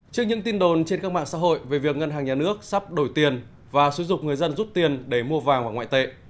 trước những tin đồn trên các mạng xã hội về việc ngân hàng nhà nước sắp đổi tiền và xúi dục người dân rút tiền để mua vàng và ngoại tệ